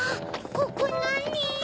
ここなに？